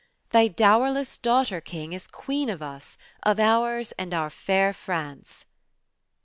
Thy dow erless daughter, King, is Queen of us — of ours, and our fair France."